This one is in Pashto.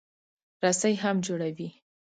رسۍ هم جوړوي.